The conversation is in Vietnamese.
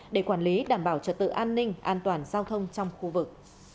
để quản lý đảm bảo trật tự an ninh an toàn giao thông trong khu vực